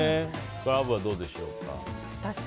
アブはどうでしょうか。